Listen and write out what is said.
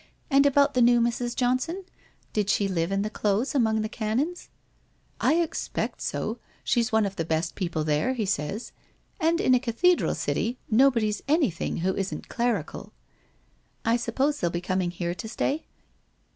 And about the new Mrs. Johnson? Did she live in the close among the Canons ?'' I expect so. She's one of the best people there, he says. And in a cathedral city nobody's anything who isn't clerical.' 'I suppose they'll be coming here to stay?'